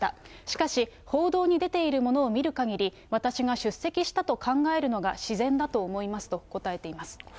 しかし、報道に出ているものを見るかぎり、私が出席したと考えるのが自然だと思いますと答えています。